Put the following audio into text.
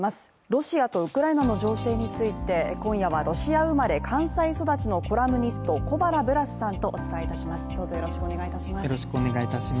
ロシアとウクライナの情勢について、今夜はロシア生まれ、関西育ちのコラムニスト小原ブラスさんとお伝えいたします。